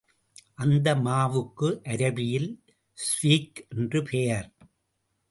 அந்த மாவுக்கு அரபியில் ஸ்வீக் என்று பெயர்.